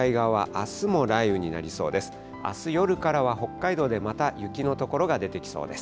あす夜からは、北海道でまた雪の所が出てきそうです。